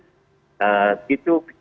dan ini menjadi perhatian publik